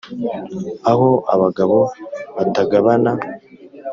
Aho abagabo batagabana